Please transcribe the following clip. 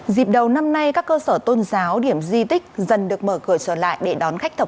dịp đầu năm nay các cơ sở tôn giáo điểm di tích dần được mở cửa trở lại